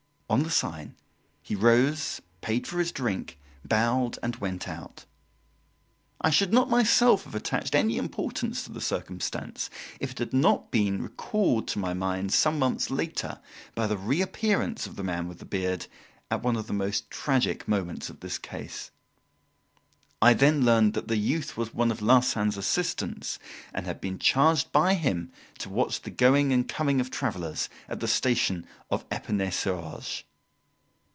On the sign he rose, paid for his drink, bowed, and went out. I should not myself have attached any importance to the circumstance, if it had not been recalled to my mind, some months later, by the reappearance of the man with the beard at one of the most tragic moments of this case. I then learned that the youth was one of Larsan's assistants and had been charged by him to watch the going and coming of travellers at the station of Epinay sur Orge.